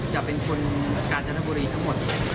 จะเป็นคนกาญจนบุรีทั้งหมด